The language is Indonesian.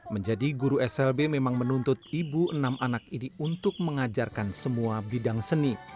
menjadi guru slb memang menuntut ibu enam anak ini untuk mengajarkan semua bidang seni